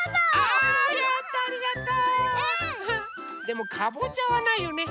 でもかぼちゃはないよね。